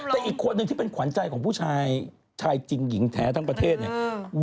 แต่อีกคนนึงที่เป็นขวัญใจของผู้ชายชายจริงหญิงแท้ทั้งประเทศเนี่ย